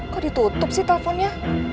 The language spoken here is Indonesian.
kok ditutup sih teleponnya